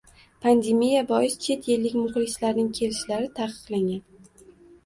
Pandemiya bois, chet ellik muxlislarning kelishlari taqiqlangan.